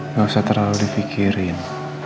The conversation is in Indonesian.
nggak usah terlalu dipikirin